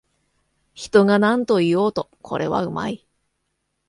人がなんと言おうと、これはうまい